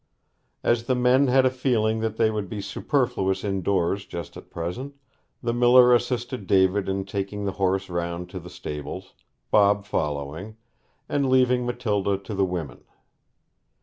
As the men had a feeling that they would be superfluous indoors just at present, the miller assisted David in taking the horse round to the stables, Bob following, and leaving Matilda to the women.